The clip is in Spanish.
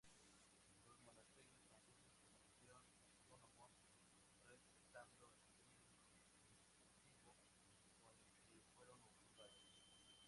Los monasterios franceses permanecieron autónomos, respetando el fin contemplativo con el que fueron fundados.